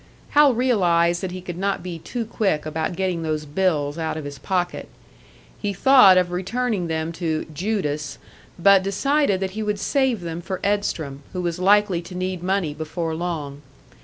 Hal realised that he could not be too quick about getting those bills out of his pocket. He thought of returning them to "Judas," but decided that he would save them for Edstrom, who was likely to need money before long.